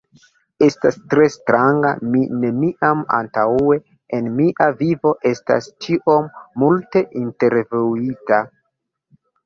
Estas tre stranga! Mi neniam antaŭe en mia vivo, estas tiom multe intervjuita!